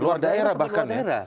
luar daerah bahkan ya